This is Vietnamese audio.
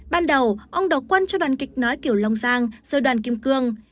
ban đầu ông đột quân cho đoàn kịch nói kiểu long giang rồi đoàn kim cương